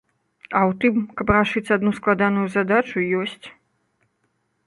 А ў тым, каб рашыць адну складаную задачу, ёсць.